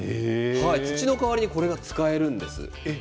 土の代わりにこれが使えるんです。